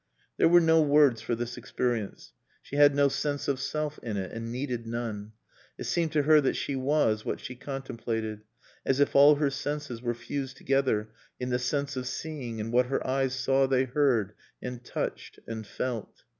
There were no words for this experience. She had no sense of self in it and needed none. It seemed to her that she was what she contemplated, as if all her senses were fused together in the sense of seeing and what her eyes saw they heard and touched and felt.